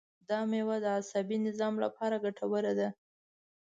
دا مېوه د عصبي نظام لپاره ګټوره ده.